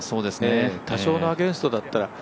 多少のアゲンストだったら。